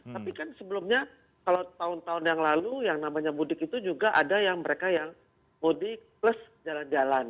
tapi kan sebelumnya kalau tahun tahun yang lalu yang namanya mudik itu juga ada yang mereka yang mudik plus jalan jalan